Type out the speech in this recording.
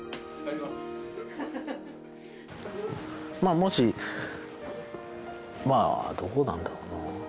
もしまあどうなんだろうな。